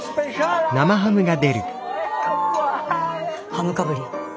ハムかぶり。